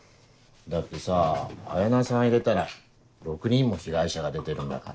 だってさ彩菜さん入れたら６人も被害者が出てるんだから。